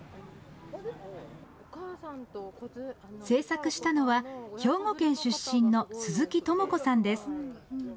制作したのは兵庫県出身の鈴木友子さんです。